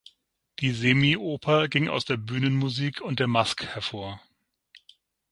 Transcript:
Die Semi-Oper ging aus der Bühnenmusik und der Masque hervor.